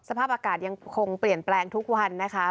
สภาพอากาศยังคงเปลี่ยนแปลงทุกวันนะคะ